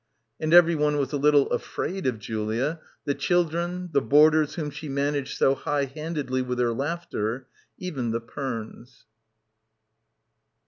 And everyone was a little afraid of Julia, the chil dren, the boarders whom she managed so high handedly with her laughter, even the Pernes.